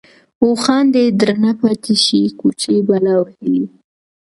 اوښـان دې درنه پاتې شي كوچـۍ بلا وهلې.